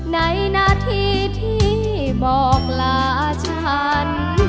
ในนาทีที่บอกลาฉัน